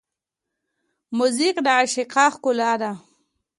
موزیک د عشقه ښکلا ده.